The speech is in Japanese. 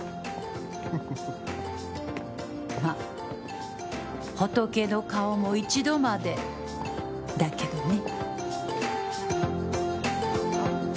まあ、仏の顔も一度までだけどね。